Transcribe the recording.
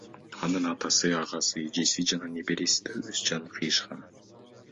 Анын атасы, агасы, эжеси жана небереси да өз жанын кыйышкан.